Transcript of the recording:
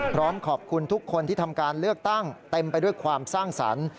พร้อมขอบคุณทุกคนที่ทำการเลือกตั้งเต็มไปด้วยความสร้างสรรค์